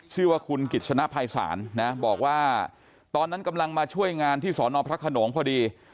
ชื่อว่าคุณกิจสนภัยศาลนะบอกว่าตอนนั้นกำลังมาช่วยงานที่สอนอพระขนงพอดี